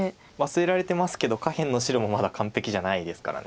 忘れられてますけど下辺の白もまだ完璧じゃないですから。